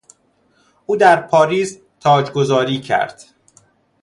او در پاریس تاجگذاری کرد.